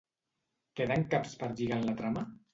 Queden caps per lligar en la trama?